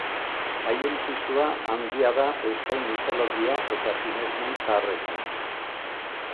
Haien pisua handia da euskal mitologia eta sinesmen zaharretan.